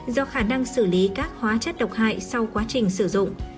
do khả năng xử lý các hóa chất độc hại sau quá trình sử dụng